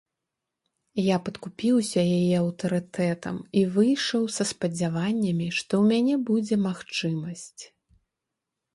Я падкупіўся яе аўтарытэтам і выйшаў са спадзяваннямі, што ў мяне будзе магчымасць.